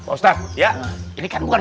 ustadz ini kan bukan